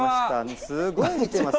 すごい見てます。